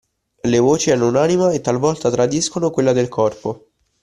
Le voci hanno un'anima e talvolta tradiscono quella del corpo.